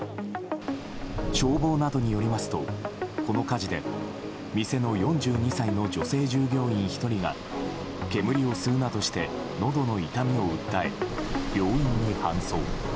消防などによりますとこの火事で店の４２歳の女性従業員１人が煙を吸うなどしてのどの痛みを訴え病院に搬送。